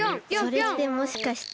それってもしかして。